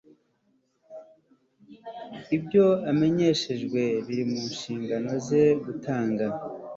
ibyo amenyeshejwe biri mu nshingano ze gutanga